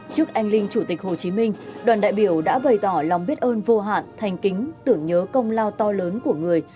trước anh linh chủ tịch hồ chí minh đoàn đại biểu đã bày tỏ lòng biết ơn vô hạn thành kính tưởng nhớ công lao to lớn của người